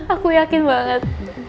aku yakin banget